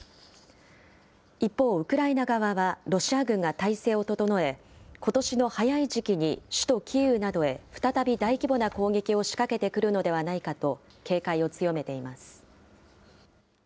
一方、ウクライナ側はロシア軍が態勢を整え、ことしの早い時期に首都キーウなどへ再び大規模な攻撃を仕掛けてくるのではないかと警戒を強めています。